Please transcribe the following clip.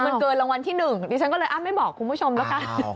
มันเกินรางวัลที่๑ดิฉันก็เลยไม่บอกคุณผู้ชมแล้วกัน